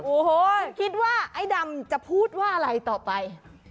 คุณคิดว่าไอ้ดำจะพูดว่าอะไรต่อไป